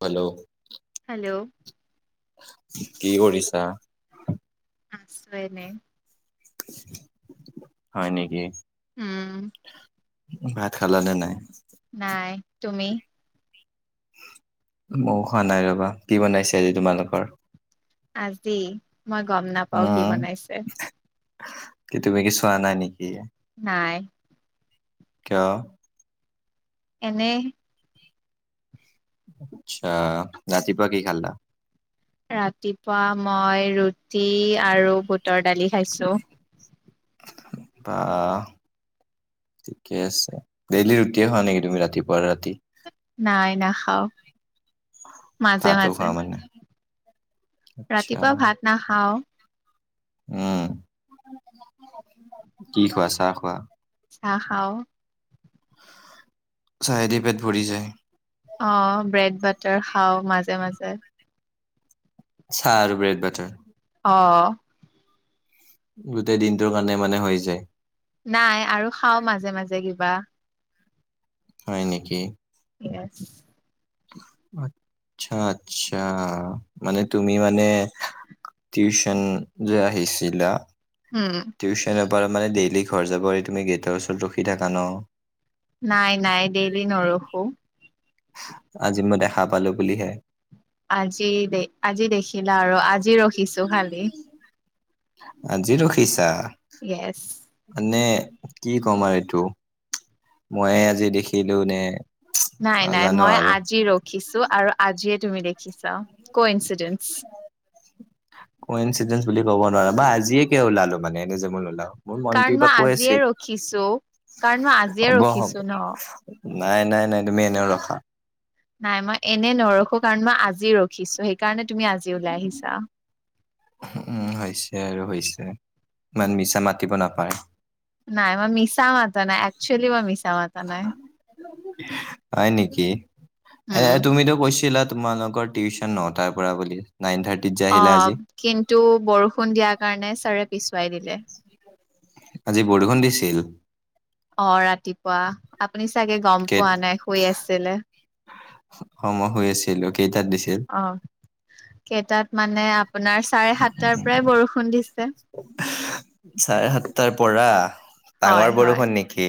Hello. Hello কি কৰিছা? আছোঁ এনেই। হয় নেকি। উম। ভাত খালা নে নাই? নাই তুমি? মই খোৱা নাই ৰবা কি বনাইছে আজি তোমালোকৰ? আজি মই গম নাপাওঁ কি বনাইছে। কেতিয়াবা কিছু আনা নেকি! নাই। কিয়? এনেই- আচ্ছা ৰাতিপুৱা কি খালা? ৰাতিপুৱা মই ৰুটি আৰু বুটৰ দালি খাইছো। বাহ ঠিকে আছে ডেইলি ৰুটিয়ে খোৱা নেকি তুমি ৰাতিপুৱা ৰাতি নাই না খাওঁ। ভাতো খাও মানে আচ্ছা, ৰাতিপুৱা ভাত নাখাওঁ। উম, কি খোৱা চাহ খোৱা নাখাওঁ। চাহে দি পেট ভৰি যায়। অ ব্ৰেড বাটাৰ খাও মাজে মাজে চাহ আৰু ব্ৰেড বাটাৰ অৱ গোটেই দিনটোৰ কাৰণে মানে হৈ যায়। নাই আৰু খাও মাজে মাজে কিবা। হয় নেকি? [unintelligible] আচ্ছা আচ্ছা মানে তুমি মানে- টিউচন যে আহিছিলা উম টিউশ্যনৰ পৰা মানে ডেইলি ঘৰ যাবৰে তুমি গেটৰ ওচৰত ৰখি থাকা ন। নাই নাই ডেইলি নৰখো। আজি মই দেখা পালো বুলিহে- আজি দে আজি দেখিলা আৰু আজি ৰখিছো খালি। আজি ৰখিছা- য়েছ। মানে কি কম আৰু এইটো, মই আজি দেখিলো নে। নাই নাই নাজানো মই আৰু আজি ৰখিছো আৰু আজিয়ে তুমি দেখিছা কৌই ইচ- কৌ ইনঞ্চিডেন বুলি ক'ব ন- বা বা আজিয়ে কিয় ওলালো মানে এনে যে মান ওলাও মোৰ মনটো কাৰণ কিবা মই কৈ আজিয়ে আছে, ৰখিছো কাৰণ মই আজিয়ে হ'ব হ'ব- ৰখিছো ন নাই নাই নাই তুমি এনেও ৰখা। নাই মই এনেই নৰখো কাৰণ মই আজি ৰখিছো সেইটো। কাৰণে তুমি আজি ওলাই আহিছা। উম হৈছে আৰু হৈছে ইমান মিছা মাতিব নাপাই। নাই মই মিছা মতা নাই একচুৱেলি মাৰ মিছা মতা নাই কি হে উম হে তুমিতো কৈছিলা তোমালোকৰ টিউচন নটাৰ পৰা বুলি- নাইন থাৰ্টিত যে অ আহিলা আজি কিন্তু বৰষুণ দিয়াৰ কাৰণে ছাৰে পিছুৱাই দিলে। আজি বৰষুণ দিছিল অৱ ৰাতিপুৱা- আপুনি চাগে গম কেই পোৱা নাই শুই আছিলে। অৱ মই শুই আছিলো। কেইটাত দিছিল? অহ কেইটাত মানে আপোনাৰ চাৰে সাতটাৰ পৰাই বৰষুণ দিছে। চাৰে সাতটাৰ পৰা ডাঙৰ হয় হয় বৰষুণ নেকি?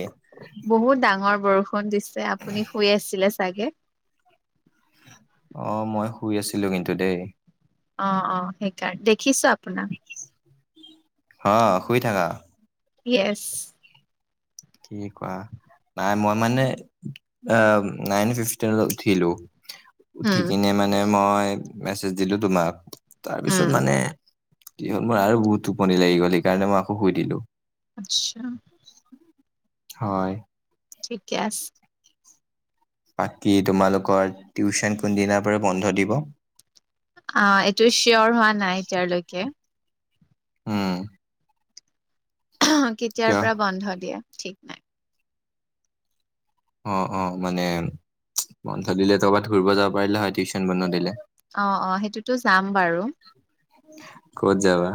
বহুত ডাঙৰ বৰষুণ। দিছে আপুনি শুই আছিলে চাগে অ মই শুই আছিলো কিন্তু দেই অ অ সেইকাৰণে দেখিছো আপোনাক অ শুই থাকা। য়েছ। কি কোৱা নাই মই মানে অ নাইন ফিভতীত উঠিলোঁ। উঠি উম কিনে মানে মই মেছেজ দিলো তোমাক তাৰপিছত উম মানে কি হল মোৰ আৰু বহুত টোপনি লাগি গ'ল সেইকাৰণে মই আকৌ শুই দিলো। আচ্ছা। হয়। ঠিকে আছে। বাকী তোমালোকৰ টিউচন কোনদিনাৰ পৰা বন্ধ দিব? অ এইটো চিয়ৰ হোৱা নাই এতিয়ালৈকে। উম- কেতিয়াৰ কিয় পৰা বন্ধ দিয়া ঠিক নাই। অ অ মানে বন্ধ দিলে ক'বাত ফুৰিব যাব পাৰিলে হয় টিউশচন বন্ধ দিলে? অ অ সেইটোতো যাম বাৰু। ক'ত যাবা?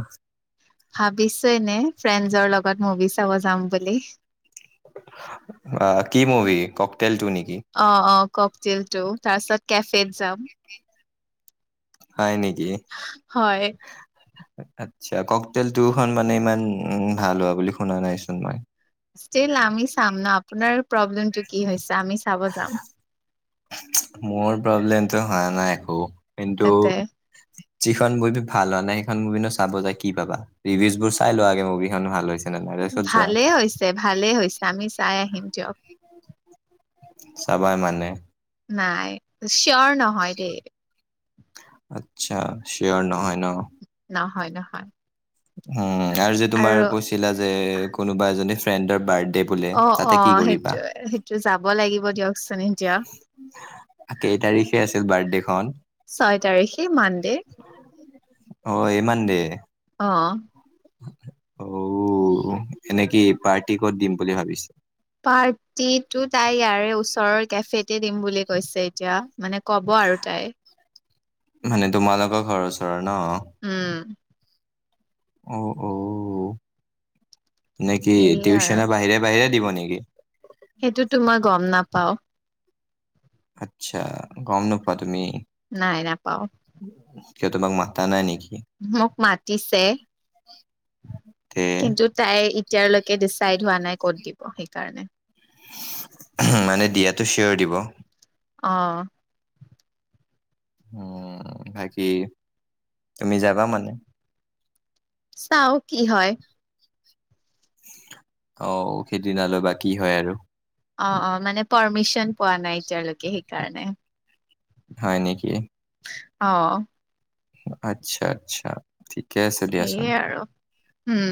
ভাবিছো এনে ফ্ৰেণ্ডছৰ লগত মুভি চাব যাম বুলি। আহ কি মুভি ককটেল টু নেকি? অ অ ককটিলটো তাৰপিছত কেফেত যাম। হয় নেকি? হয় আচ্ছা ককতেল খন মানে ইমান উ ভাল হোৱা বুলি শুনা নাইচোন মই। ইষ্টিল আমি চাম ন আপোনাৰ প্ৰব্লেম টো কি হৈছে? আমি চাব যাম মোৰ প্ৰব্লেমটো হোৱা নাই একো। কিন্তু তাতে যিখন মুভি ভাল হোৱা নাই সেইখন মুভিনো চাব যে কি পাবা ৰিভিউজ বোৰ চাই লোৱাগে মুভিখনো ভাল হৈছে নে নাই তাৰপিছত যোৱা। ভালেই হৈছে ভালেই হৈছে আমি চাই আহিম দিয়ক। চাবাই মানে? নাই চিয়ৰ নহয় দেই। আচ্ছা চিয়ঁৰ আৰু নহয় ন? নহয় নহয়। উম আৰু যে তোমাৰ কৈছিলা যে কোনোবা এজনী ফ্ৰেণ্ডৰ বাৰ্থ ডে বোলে অ অ তাতে কি কৰিবা? সেইটো সেইটো যাব লাগিব দিয়কচোন এতিয়া কেই তাৰিখে আছিল বাৰ্থডেখন? ছয় তাৰিখে মানডে। অ এই মানডে। অ অ এনে কি পাৰ্টি কত দিম বুলি ভাবিছে? পাৰ্টিটো তাই ইয়াৰে ওচৰৰ কেফেতে দিম বুলি কৈছে এতিয়া মানে ক'ব আৰু তাই। মানে তোমালোকৰ ঘৰৰ ওচৰৰ ন? উম অ অ নেকি সেয়ে আৰু টিউচনৰ বাহিৰে বাহিৰে দিব নেকি? নেকি? সেইটোতো মই গম নাপাও। আচ্ছা গম নোপোৱা তুমি। নাই নাপাও। সিয়হ তোমাক মাতা নাই নেকি? মোক মাতিছে তে কিন্তু তাই এতিয়াৰলৈকে ডিচাইড হোৱা নাই ক'ত দিব সেইকাৰণে। মানে দিয়াটো চিঞৰ দিব। অহ উ বাকী তুমি যাবা মানে? চাও কি হয়। অ সেইদিনালৈ বা কি হয় আৰু? অ অ মানে পাৰ্মিশন পোৱা নাই এতিয়ালৈকে সেইকাৰণে হয় নেকি? অ আচ্ছা আচ্ছা ঠিক থিকে আছে দিয়াচোন। সেয়ে আৰু উম,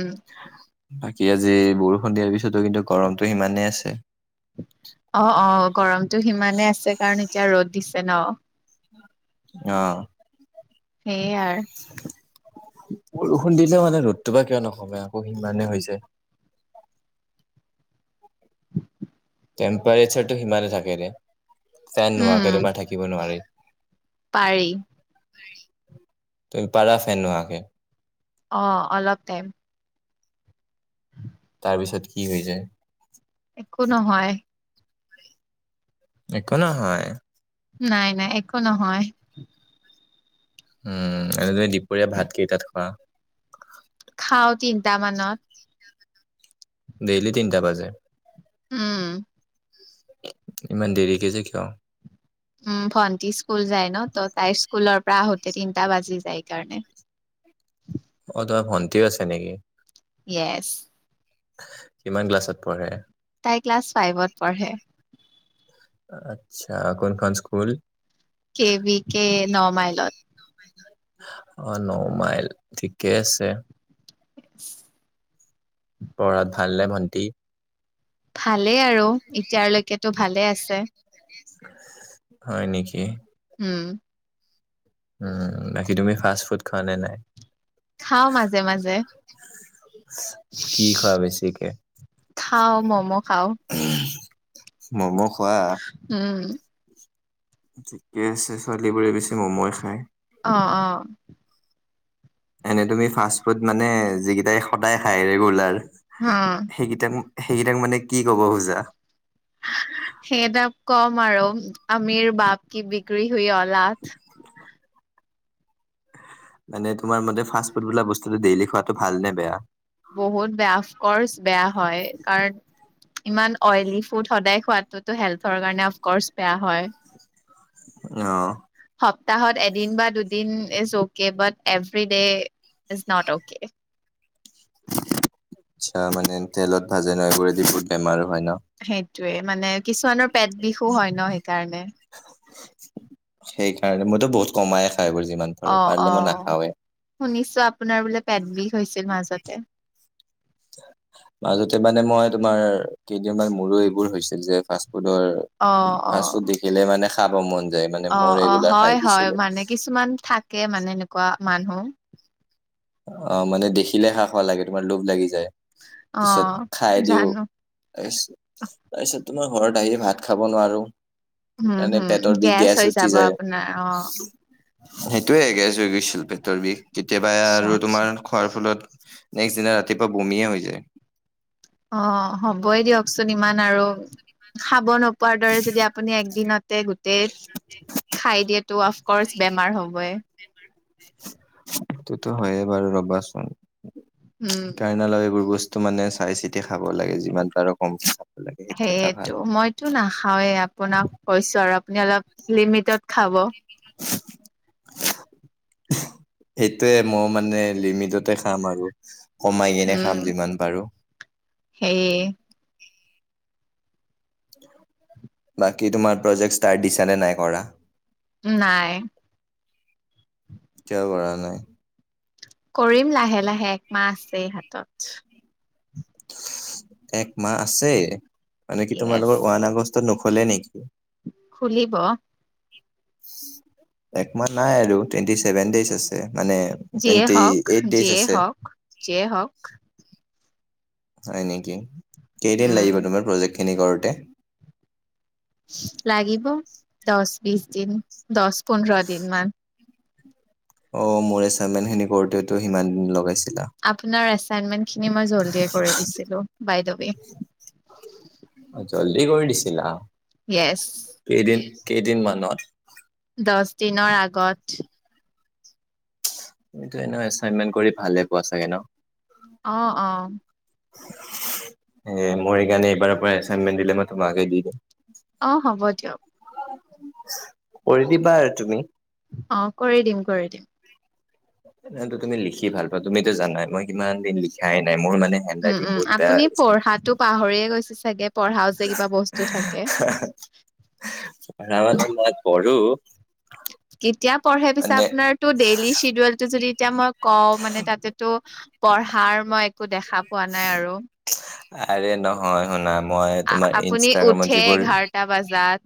আজি বৰষুণ দিয়াৰ পিছতো কিন্তু গৰমটো সিমানেই আছে অ অ গৰমটো সিমানেই আছে কাৰণ এতিয়া ৰ'দ দিছে ন আহ সেইয়ে আৰু [inaudible] বৰষুণ দিলেও মানে ৰ'দটোৰ পৰা কিয় নকমে আকৌ সিমানে যায় [inaudible] [inaudible] টেম্পাৰেচাৰটো সিমানে থাকে নে, ফেন উম, নোহোৱাকে তোমাৰ থাকিব নোৱাৰি পাৰি তুমি পাৰা ফেন নোহোৱাকে? অ', অলপ টাইম তাৰ পিছত কি হৈ যায় একো নহয়। একো নহয়। নাই নাই একো নহয়। উম এনে তুমি দুপৰীয়া ভাত কেইটাত খোৱা? খাওঁ তিনটা মানত। ডেইলি তিনিটা বাজে। উম। ইমান দেৰিকে যে কিয়? উম ভন্টি স্কুল যায় ন, ত তাইৰ স্কুলৰ পৰা আহোতে তিনটা বাজি যায় কাৰণে। অ তোমাৰ ভন্টিও আছে নেকি? ইয়েছ। কিমান ক্লাছত পঢ়ে? তাই ক্লাছ ফাইভত পঢ়ে। আচ্ছা কোনখন স্কুল? কে বি কে ন মাইলত। অ ন মাইল ঠিকে আছে। এক [inaudible] পঢ়াত ভাল নে ভণ্টি? ভালেই আৰু এতিয়ালৈকেতো ভালে আছে। হয় নেকি! উম। উম বাকী তুমি ফাষ্ট ফুড খোৱা নে নাই? খাওঁ মাজে মাজে। কি খোৱা বেছিকে? খাওঁ মম খাওঁ। মম খোৱা উম। ঠিকে আছে ছোৱালী বোৰে বেছি ম'ময় খায়। অ অ এনে তুমি ফাষ্ট ফুড মানে যিকেইটাই সদায় খায় ৰেগুলাৰ হুম, সেইকেইটাক সেইকেইটাক মানে কি কব খুজা? সেইটাক কম আৰু আমিৰ বাপ কি বিক্ৰী হুই অলাড। মানে তোমাৰ মতে ফাষ্ট ফুড বোলা বস্তুটো ডেইলি খোৱাতটো ভাল নে বেয়া? বহুত বেয়া অফকৰ্চ বেয়া হয়। কাৰণ, ইমান অইলী ফুড সদায় খোৱাটোতো হেলথৰ কাৰণে অফকৰ্চ বেয়া হয়। অহ। সপ্তাহত এদিন বা দুদিন each okay but everyday is not okay. আচছা মানে তেলত ভাজে ন এইবোৰো দি বেমাৰো হয় ন। সেইটোয়ে মানে কিছুমানৰ পেট বিষো হয় ন সেইকাৰণে। মইত বহু কমায় অ অ শুনিছোঁ আপোনাৰ বোলে পেট বিষ হৈছিল মাজতে। মাজতে মানে মই তোমাৰ কেইদিনমান মোৰো এইবোৰ হৈছিল যে ফাষ্ট অ অ ফাষ্ট ফুড দেখিলে মানে খাব মন। যায় মানে অ মোৰ অ ৰেগুলাৰ খাই হয় হয়। দিছিলো। মানে কিছুমান থাকে মানে এনেকুৱা মানুহ। অ মানে দেখিলে খাও খাও লাগে তোমাৰ লোভ লাগি যায়। অ তাৰপিছত খাই দিওঁ জানো তাৰ তাৰপিছত, মই ঘৰত আহি ভাত খাব নোৱাৰোঁ। হম সেইকাৰণে হম পেটৰ বিষ গেছ হৈ উঠি যাব যায়। আপোনাৰ অ সেইটোয়ে গেছ হৈ গৈছিল পেটৰ বিষ কেতিয়াবা আচ্ছা আৰু আচ্ছা তোমাৰ খোৱাৰ, ফলত নেক্সট দিনা ৰাতিপুৱা বমিয়ে হৈ যায়। অ হ'বই দিয়কচোন ইমান আৰু খাব- পোৱাৰ দৰে যদি আপুনি একদিনতে গোটেই খাই দিয়েটো অফকচ বেমাৰ হ'বই। সেইটোতো হয়ে বাৰু ৰবাচোন, উম কাইনা লাগ এইবোৰ বস্তু- টো মানে চাই চিতি খাব লাগে যিমান পাৰ কম। সেইয়েতো, মইতো নাখাওৱেই আপোনাক কৈছোঁ আৰু আপুনি- অলপ লিমিটত খাব। [unintelligible] সেইটোয়ে মই মানে লিমিটতে খাম আৰু। কমাই কিনে খাম যিমান পাৰোঁ। সেইয়ে। বাকী তোমাৰ প্ৰজেক্ট ষ্টাৰ্ট দিছানে নাই কৰা? নাই। কিয় কৰা নাই? কৰিম লাহে লাহে একমাহ আছেই হাতত। এক মাহ আছে, মানে কি য়েছ তোমালোকৰ ওৱান আগষ্টত নুখুলে নেকি? খুলিব। একমাহ নাই আৰু টুৱেন্টি ছেভেন ডেইজ আছে। মানে যিয়ে টুৱেন্টি হওক এইট ডেইজ যিয়ে আছে। হওক যিয়ে হওক হয় নেকি। কেইদিন উম লাগিব তোমাৰ প্ৰজেক্টখিনি কৰোঁতে? [inaudible] লাগিব দহ বিশ দিন, দহ পোন্ধৰ দিন মান। অ মোৰ এচাইনমেট খিনি কৰোঁতে টো সিমান দিন লগাইছিল। আপোনাৰ এচাইনমেট। খিনি মই জল্দিয়ে কৰি দিছিলোঁ বাইদৱে। কি কৰি দিছিলা। কেইদিন কেইদিনমানত? দহ দিনৰ আগত। তুমিতো এনে এচাইনমেন্ট কৰি ভালে পোৱা চাগে ন? অ অ এ মোৰ সেইকাৰণে এইবাৰৰ পৰা এচাইনমেট দিলে মই তোমাকে দি দিম। অ হ'ব দিয়ক কৰি দিবা আৰু তুমি। অ কৰি দিম কৰি দিম। সেইটো তুমি লিখি ভাল পোৱা। তুমিতো জানাই মই কিমান দিন লিখাই নাই। মোৰ মানে হেণ্ড উম ৰাইটিং উম, বহুত বেয়া আপুনি হৈ গৈছে। পঢ়াতো পাহৰিয়ে গৈছে চাগে। পঢ়া যে কিবা বস্তু থাকে পঢ়া পঢ়ো কি এতিয়া পঢ়ে হিচাপ মানে নাই আপোনাৰ টো ডেইলি শ্বিডিউল টো যদি এতিয়া মই কওঁ মানে তাতে টো পঢ়া তাৰ মই একো দেখা পোৱা নাই আৰু আৰে নহয় শুনা মই তোমাৰ আপুনি ইনষ্টাগ্ৰামত উঠে যিবোৰ এঘাৰটা বজাত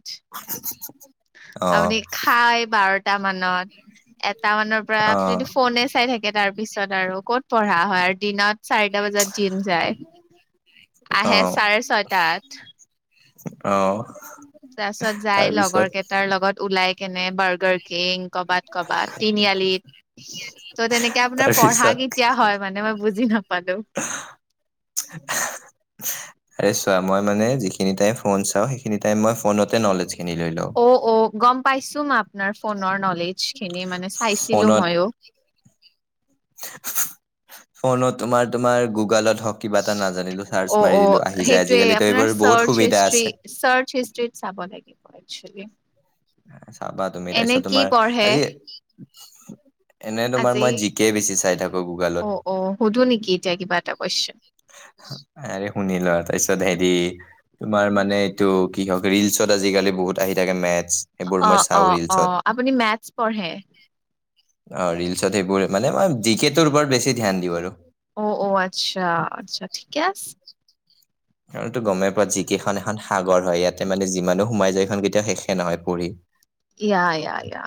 অ আপুনি খাই বাৰ এটা মানত এটা মানৰ পৰা অ যদি ফোনে চাই থাকে তাৰ তাৰ পিছত আৰু ক'ত পঢ়া হয় আৰু দিনত। চাৰিটা বজাত জিম যায় অ আহে চাৰে ছয় তাত। অহ তাৰ পিছত যাই লগৰ কেইটাৰ লগত ওলাই কেনে বাৰ্গাৰ কিং কৰবাত কৰবাত তিনিআলিত ত' তেনেকে আপোনাৰ পঢ়া তাৰপিছত কেতিয়া হয় মানে ম বুজি নাপালো আৰে চোৱা মই মানে যিখিনি টাইম ফোন চাওঁ সেইখিনি টাইম মই ফোনতে নলেজ শ অ অ গম পাইছো মই আপোনাৰ ফোনৰ নলেজ খিনি মানে চাইছিলোঁ ফোনত ময়ো ফোনত তোমাৰ তোমাৰ গুগলত হক কিবা এটা নাজানিলো চাৰ্চ অ', মাৰি অ', দিলো আহি যাই সেইটোয়ে আজিকালিতো আপোনাৰ এইবাৰ বহুত চাৰ্চ সুবিধা হিষ্ট্ৰী আছে চাৰ্চ হিষ্ট্ৰীত চাব লাগিব একচ চাবা তুমি তাৰপিছত তোমাৰ আজি এনে তোমাৰ আজি? মই জিকে বেছি চাই থাকো গুগলত অ', অ', সুধো নেকি এতিয়া কিবা এটা কুৱেশন? আৰে শুনিল তাৰপিছত হেৰি তোমাৰ মানে এইটো কি হক ৰিলচত আজিকালি বহুত আহি থাকে মেথ অ অ অ আপুনি মেথছ পঢ়ে অ ৰিলচত সেইবোৰ মানে মই যিকে টোৰ ওপৰত বেছি ধ্যান দিও আৰু অ', অ', আচ্ছা আচ্ছা ঠিকে আছে কাৰণ গমে পোৱা জিকে খন এখন সাগৰ হয় ইয়াতে মানে যিমানো সোমাই যায় সেখন কেতিয়াও শেষে নহয় পঢ়ি ইয়া ইয়া ইয়া